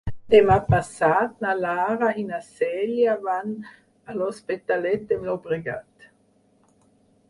Demà passat na Lara i na Cèlia van a l'Hospitalet de Llobregat.